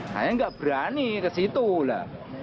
saya nggak berani ke situ lah